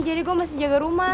jadi gue masih jaga rumah